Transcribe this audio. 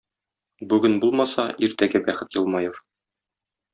Бүген булмаса, иртәгә бәхет елмаер.